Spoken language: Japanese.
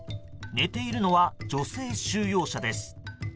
寝ているのは女性収容者です。